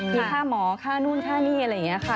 มีค่าหมอค่านู่นค่านี่อะไรอย่างนี้ค่ะ